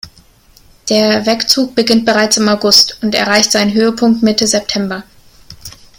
Der Wegzug beginnt bereits im August und erreicht seinen Höhepunkt Mitte September.